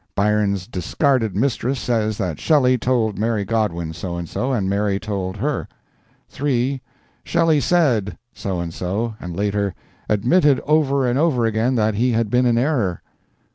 Byron's discarded mistress says that Shelley told Mary Godwin so and so, and Mary told her. 3. "Shelley said" so and so and later "admitted over and over again that he had been in error."